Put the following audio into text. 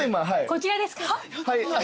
こちらですか？